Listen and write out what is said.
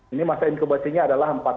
ini masa inkubasinya adalah